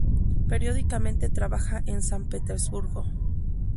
Periódicamente trabaja en San Petersburgo.